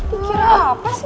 lu kenapa sih